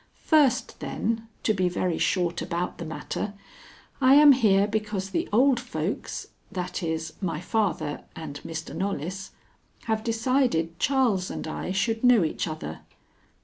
First, then, to be very short about the matter, I am here because the old folks that is, my father and Mr. Knollys, have decided Charles and I should know each other.